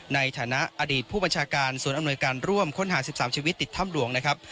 ในฐานะอดีตผู้บัญชาการส่วนอำนวยการร่วมคนห่างสิบสามชีวิตติดธรรมดวงนะครับ